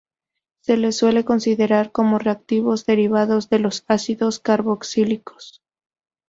Se les suele considerar como reactivos derivados de los ácidos carboxílicos.